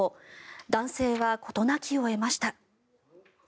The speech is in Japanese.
男性は事なきを得ました。